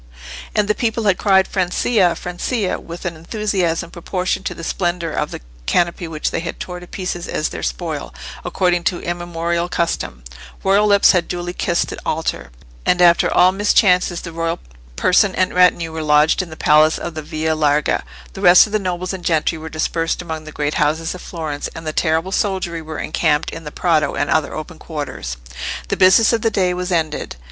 And the people had cried Francia, Francia! with an enthusiasm proportioned to the splendour of the canopy which they had torn to pieces as their spoil, according to immemorial custom; royal lips had duly kissed the altar; and after all mischances the royal person and retinue were lodged in the Palace of the Via Larga, the rest of the nobles and gentry were dispersed among the great houses of Florence, and the terrible soldiery were encamped in the Prato and other open quarters. The business of the day was ended.